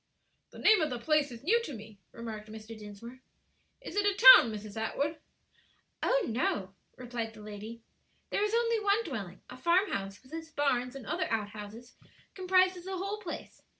"The name of the place is new to me," remarked Mr. Dinsmore. "Is it a town, Mrs. Atwood?" "Oh, no," replied the lady, "there is only one dwelling; a farmhouse with its barns and other out houses comprises the whole place.